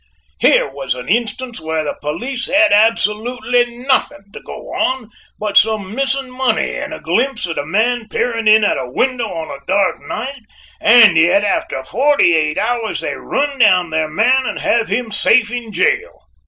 Here was an instance where the police had absolutely nothing to go on but some missing money and a glimpse at a man peering in at a window on a dark night, and yet within forty eight hours they run down their man and have him safe in jail.